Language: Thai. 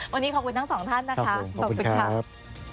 วันนี้ขอบคุณทั้งสองท่านนะคะขอบคุณค่ะ